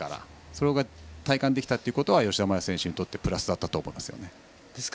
それが体感できたことは吉田麻也選手にとってプラスだったと思います。